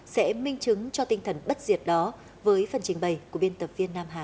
sẽ minh chứng cho tinh thần bất diệt đó với phần trình bày của biên tập viên nam hà